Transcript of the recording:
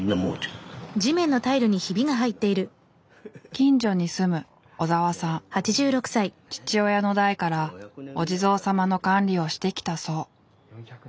近所に住む父親の代からお地蔵さまの管理をしてきたそう。